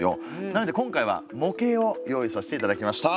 なので今回は模型を用意させて頂きました。